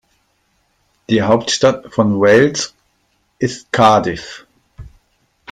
Die Hauptstadt von Wales ist Cardiff.